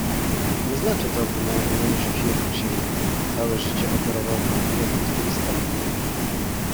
Nie znaczy to bynajmniej, że chirurg się mylił. Całe życie operował wątłe ludzkie istoty